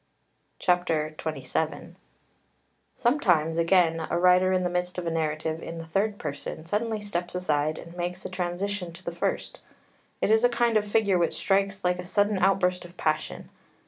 [Footnote 4: Il. v. 85.] XXVII Sometimes, again, a writer in the midst of a narrative in the third person suddenly steps aside and makes a transition to the first. It is a kind of figure which strikes like a sudden outburst of passion.